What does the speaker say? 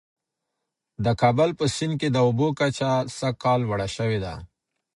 د کابل په سیند کي د اوبو کچه سږ کال لوړه سوې ده.